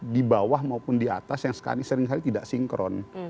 di bawah maupun di atas yang seringkali tidak sinkron